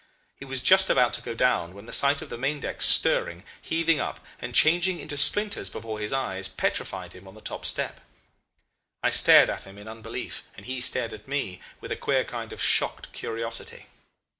He was just about to go down when the sight of the main deck stirring, heaving up, and changing into splinters before his eyes, petrified him on the top step. I stared at him in unbelief, and he stared at me with a queer kind of shocked curiosity.